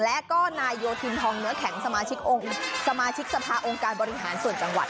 และก็นายโยธินทองเนื้อแข็งสมาชิกสภาองค์การบริหารส่วนจังหวัด